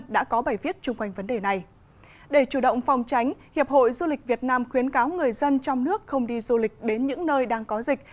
để chủ động phòng tránh hiệp hội du lịch việt nam khuyến cáo người dân trong nước không đi du lịch đến những nơi đang có dịch